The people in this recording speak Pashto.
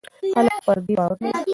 خلک پر دې باور لري.